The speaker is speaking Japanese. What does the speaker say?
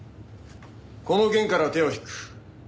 この件からは手を引く。